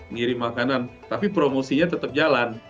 ngirim makanan tapi promosinya tetap jalan